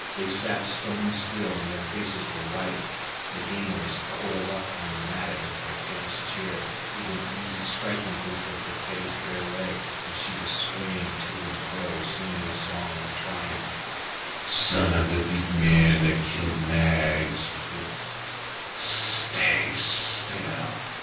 They sat stone still, and their faces were white. Nagaina was coiled up on the matting by Teddy's chair, within easy striking distance of Teddy's bare leg, and she was swaying to and fro, singing a song of triumph. "Son of the big man that killed Nag," she hissed, "stay still.